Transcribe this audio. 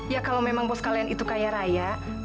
ya kalau memang bos kalian itu kaya raya